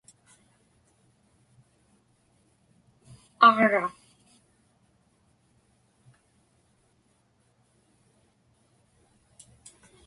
aġra